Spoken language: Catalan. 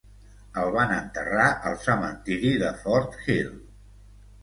El van enterrar al cementiri de Fort Hill.